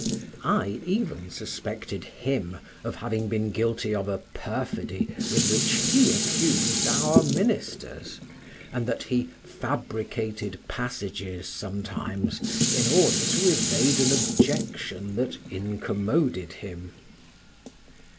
I even suspected him of having been guilty of a perfidy with which he accused our ministers, and that he fabricated passages sometimes in order to evade an objection that incommoded him.